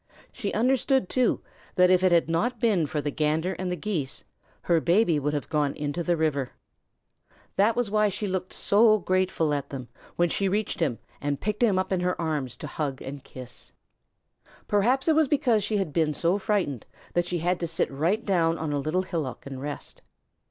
She understood, too, that if it had not been for the Gander and the Geese, her Baby would have gone into the river. That was why she looked so gratefully at them when she reached him and picked him up in her arms to hug and kiss. [Illustration: "S S S S S!" REPEATED THE GANDER. Page 166] Perhaps it was because she had been so frightened that she had to sit right down on a little hillock and rest.